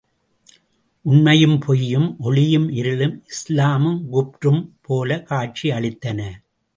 உண்மையும் பொய்யும், ஒளியும் இருளும், இஸ்லாமும் குப்ரும் போலக் காட்சி அளித்தன!